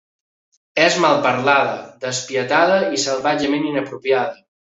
És malparlada, despietada i salvatgement inapropiada.